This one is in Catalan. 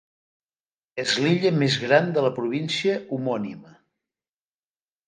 És l'illa més gran de la província homònima.